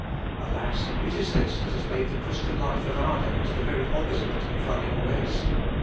Alas, it is this that has made the Christian life of our days the very opposite of running a race.